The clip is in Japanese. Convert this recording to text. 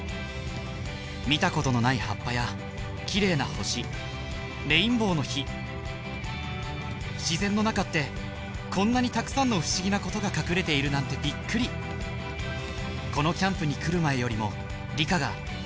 見たことのない葉っぱや綺麗な星レインボーの火自然の中ってこんなにたくさんの不思議なことが隠れているなんてびっくりこのキャンプに来る前よりも理科がもっと好きになった気がします